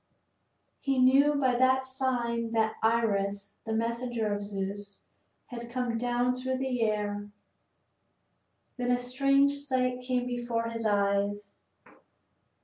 He knew by that sign that Iris, the messenger of Zeus, had come down through the air. Then a strange sight came before his eyes.